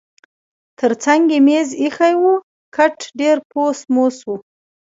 ترڅنګ یې مېز اییښی و، کټ ډېر پوس موس و.